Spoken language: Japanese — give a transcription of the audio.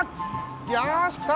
よしきた！